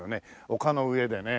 丘の上でね